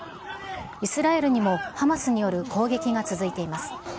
イスラエルにもハマスによる攻撃が続いています。